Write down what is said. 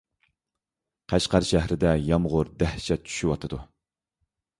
قەشقەر شەھىرىدە يامغۇر دەھشەت چۈشۈۋاتىدۇ.